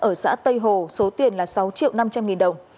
ở xã tây hồ số tiền là sáu triệu năm trăm linh nghìn đồng